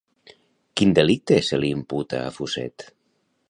Quin delicte se li imputa a Fuset?